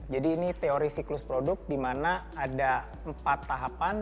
jadi ini teori siklus produk di mana ada empat tahapan